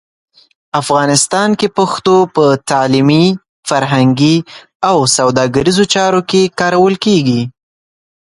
افغانستان کې پښتو په تعلیمي، فرهنګي او سوداګریزو چارو کې کارول کېږي.